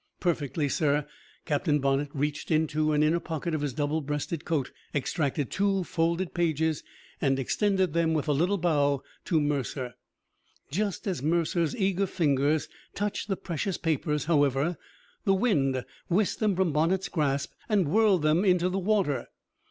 "Perfectly, sir." Captain Bonnett reached in an inner pocket of his double breasted coat, extracted two folded pages, and extended them, with a little bow, to Mercer. Just as Mercer's eager fingers touched the precious papers, however, the wind whisked them from Bonnett's grasp and whirled them into the water.